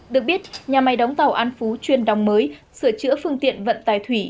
được biết nhà máy đóng tàu an phú chuyên đóng mới sửa chữa phương tiện vận tải thủy